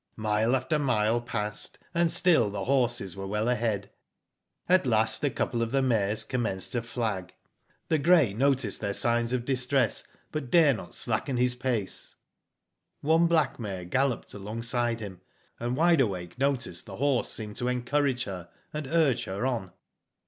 Mile after mile passed, and still the horses were well ahead. "At last a couple of the mares commenced to flag. The grey noticed their signs of distress, but dare not slacken his pace. "One black mare galloped alongside him, and Wide Awake noticed the horse seemed to encourage her, and urge her on.